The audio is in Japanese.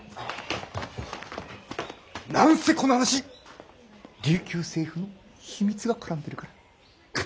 何せこの話琉球政府の秘密が絡んでるから。